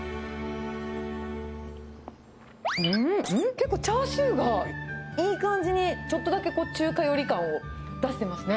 結構チャーシューがいい感じにちょっとだけ中華寄り感を出してますね。